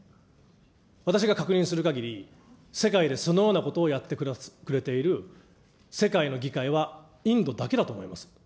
私が確認するかぎり、世界でそのようなことをやってくれている世界の議会はインドだけだと思います。